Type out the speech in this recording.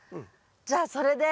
じゃあそれで。